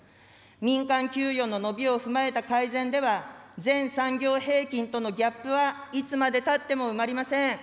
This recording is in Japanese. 民間給与の伸びを踏まえた改善では、全産業平均とのギャップはいつまでたっても埋まりません。